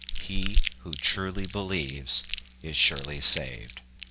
He who truly believes is surely saved.